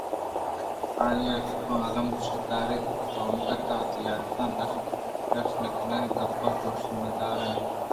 آئی ءِ گپاں الّم گوش دار تو انگتءَوتی عادتاں داشت نہ کنئے ءُگپ گوش نہ دارئے